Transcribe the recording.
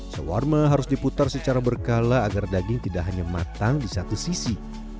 sawarma harus diputar secara berkala agar daging tidak hanya matang di satu sisi